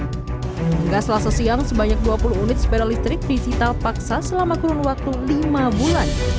hingga selasa siang sebanyak dua puluh unit sepeda listrik digital paksa selama kurun waktu lima bulan